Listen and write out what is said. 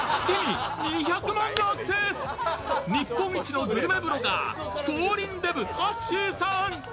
日本一のグルメブロガー、フォーリンデブはっしーさん。